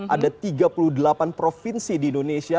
ada tiga puluh delapan provinsi di indonesia